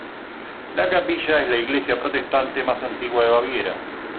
La capilla es la iglesia protestante más antigua de Baviera.